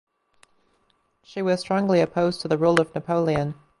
She was strongly opposed to the rule of Napoleon.